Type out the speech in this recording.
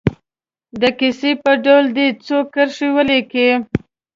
د کیسې په ډول دې څو کرښې ولیکي.